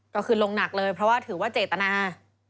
ก็คือลงหนักเลยเพราะว่าถือว่าเจตนา